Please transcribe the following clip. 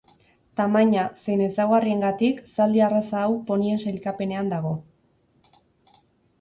Tamaina zein ezaugarriengatik zaldi arraza hau ponien sailkapenean dago.